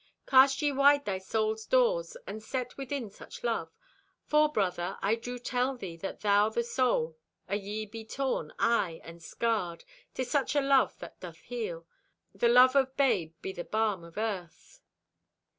"Cast ye wide thy soul's doors and set within such love. For, brother, I do tell thee that though the soul o' ye be torn, aye, and scarred, 'tis such an love that doth heal. The love o' babe be the balm o' earth.